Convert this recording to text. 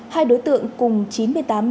hai đối tượng cùng chín mươi tám đồng